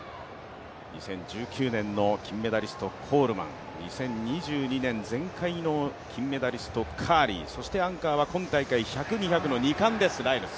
２０１９年の金メダリスト、コールマン、２０２２年前回の金メダリスト、カーリー、そしてアンカーは今大会、１００、２００の２冠です、ライルズ。